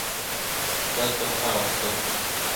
دا تر هغه سپک دئ.